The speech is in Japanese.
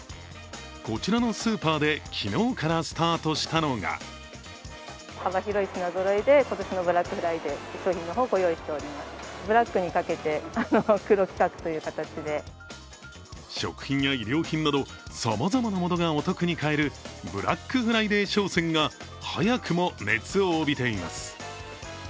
こちらのスーパーで昨日からスタートしたのが食品や衣料品などさまざまなものがお得に買えるブラックフライデー商戦が早くも熱を帯びています。